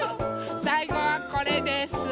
さいごはこれです。